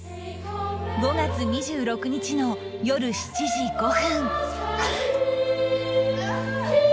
５月２６日の夜７時５分